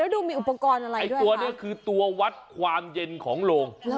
แล้วดูมีอุปกรณ์อะไรด้วยคะอันดับนี้คือตัววัดความเย็นของโลง